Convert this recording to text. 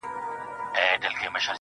د هدو لورې تا د خلکو په مخ کار وتړی~